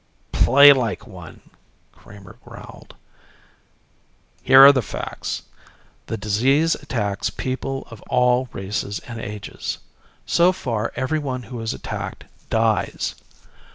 "Play like one," Kramer growled. "Here are the facts. The disease attacks people of all races and ages. So far every one who is attacked dies.